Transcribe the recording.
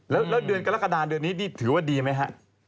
แล้วเดือนกรกฎาคมเดือนนี้ถือว่าดีไหมครับ